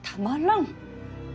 ん？